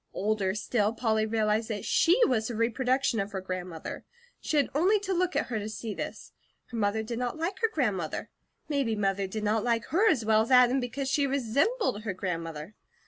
Older still, Polly realized that SHE was a reproduction of her grandmother. She had only to look at her to see this; her mother did not like her grandmother, maybe Mother did not like her as well as Adam, because she resembled her grandmother.